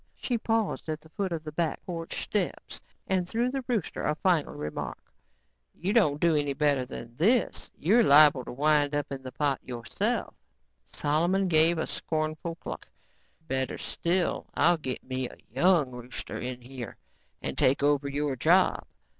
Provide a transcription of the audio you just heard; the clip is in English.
She paused at the foot of the backporch steps and threw the rooster a final remark. "You don't do any better than this you're liable to wind up in that pot yourself." Solomon gave a scornful cluck. "Better still, I'll get me a young rooster in here and take over your job."